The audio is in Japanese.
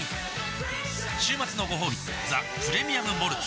週末のごほうび「ザ・プレミアム・モルツ」